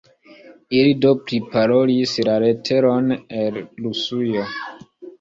Ili do priparolis la leteron el Rusujo.